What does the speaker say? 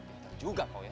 betul juga kau ya